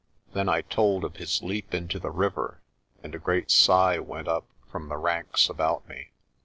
Then I told of his leap into the river and a great sigh went up from the ranks about me.